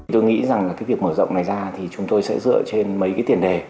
tôi nghĩ rằng việc mở rộng này ra thì chúng tôi sẽ dựa trên mấy tiền đề